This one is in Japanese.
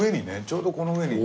ちょうどこの上に。